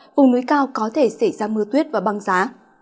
vùng núi cao có thể xảy ra mưa tuyết và băng giá